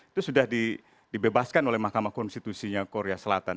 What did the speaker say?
itu sudah dibebaskan oleh mahkamah konstitusinya korea selatan